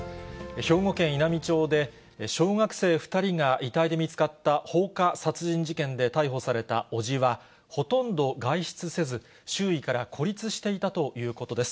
兵庫県稲美町で、小学生２人が遺体で見つかった放火殺人事件で逮捕された伯父は、ほとんど外出せず、周囲から孤立していたということです。